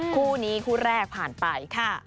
คู่นี้คู่แรกผ่านไปค่ะ